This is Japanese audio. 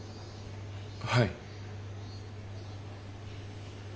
はい。